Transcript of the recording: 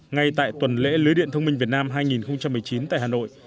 ngay tại tuần lễ lưới điện thông minh việt nam hai nghìn một mươi chín tại hà nội